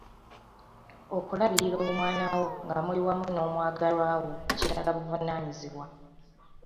Okulabirira omwana wo nga muli wamu n'omwagalwa wo kiraga buvunaanyizibwa.